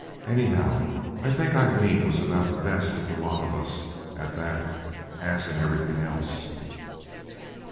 Anyhow, I think Aileen was about the best of the lot of us at that, as in everything else.